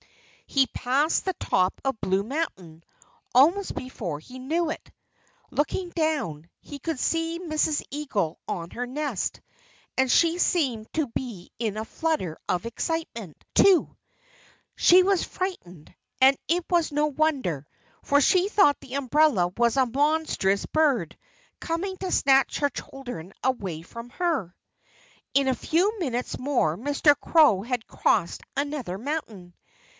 He passed the top of Blue Mountain almost before he knew it. Looking down, he could see Mrs. Eagle on her nest; and she seemed to be in a flutter of excitement, too. She was frightened; and it was no wonder. For she thought the umbrella was a monstrous bird, coming to snatch her children away from her. In a few minutes more Mr. Crow had crossed another mountain.